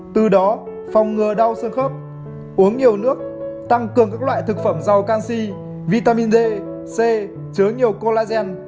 từ đó phòng ngừa đau xương khớp uống nhiều nước tăng cường các loại thực phẩm rau canxi vitamin d c chứa nhiều colagen